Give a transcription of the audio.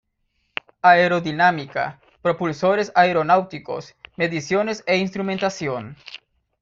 Aerodinámica, Propulsores Aeronáuticos, Mediciones e Instrumentación.